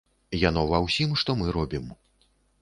Яно ва ўсім, што мы робім.